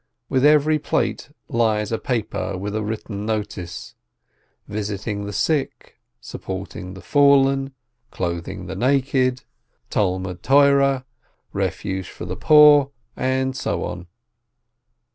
On every plate lies a paper with a written notice: "Visiting the Sick," "Supporting the Fallen," "Clothing the Naked," "Talmud Torah," "Eefuge for the Poor," and so forth.